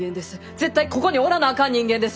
絶対ここにおらなあかん人間です。